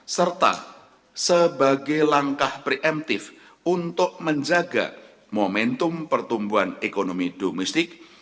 serta sebagai langkah preemptif untuk menjaga momentum pertumbuhan ekonomi domestik